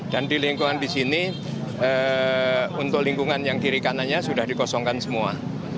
dan di lingkungan di sini untuk lingkungan yang kiri kanannya sudah dikosongkan semua